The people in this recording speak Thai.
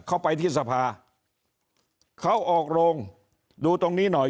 เข้าไปที่สภาเขาออกโรงดูตรงนี้หน่อย